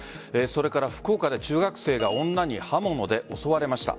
それから福岡で中学生が女に刃物で襲われました。